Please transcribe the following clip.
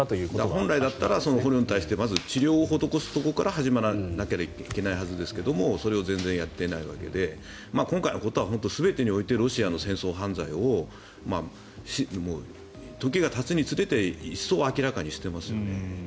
本来なら捕虜に対して治療を施すところから始めないといけないんですがそれを全然やっていないわけで今回のことは本当に全てにおいてロシアの戦争犯罪を時がたつにつれて一層、明らかにしていますよね。